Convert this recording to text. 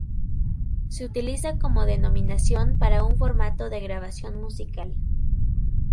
Se utiliza como denominación para un formato de grabación musical.